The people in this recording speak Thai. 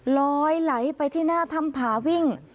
ลอยไหลไปที่หน้าถ้ำผาวิ่ง